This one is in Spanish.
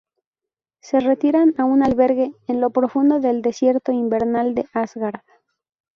Se retiran a un albergue en lo profundo del desierto invernal de Asgard.